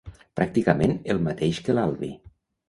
Pràcticament el mateix que l'Albi.